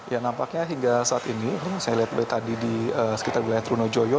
ya nampaknya hingga saat ini saya lihat tadi di sekitar wilayah trunojoyo